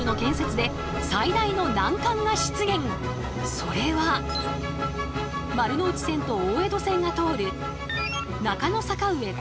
それは丸ノ内線と大江戸線が通る